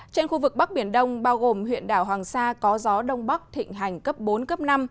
trên khu vực bắc biển đông bao gồm huyện đảo hoàng sa có gió đông bắc thịnh hành cấp bốn cấp năm